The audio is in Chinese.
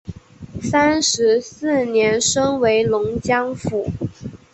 三十四年升为龙江府。